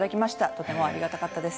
とてもありがたかったです。